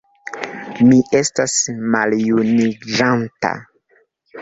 Mi estas maljuniĝanta.